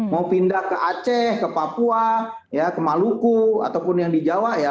mau pindah ke aceh ke papua ke maluku ataupun yang di jawa ya